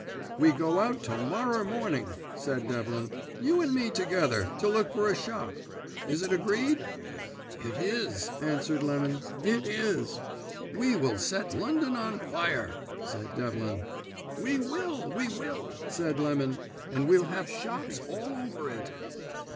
"'We go out to morrer morning,' said Devlin, 'you and me together, to look for a shop. Is it agreed?' "'It is,' answered Lemon, 'it is.' "'We will set London on fire,' said Devlin. "'We will, we will,' said Lemon; 'and we'll have shops all over it.'